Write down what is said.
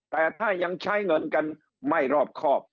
แต่ถ้ายังใช้เงินกันไม่รอบครอบ